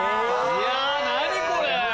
いや何これ！